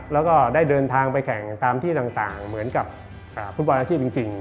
แล้วก็ได้เดินทางไปแข่งตามที่ต่างเหมือนกับฟุตบอลอาชีพจริง